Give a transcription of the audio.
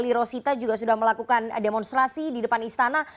eli rosita juga sudah melakukan demonstrasi di depan istana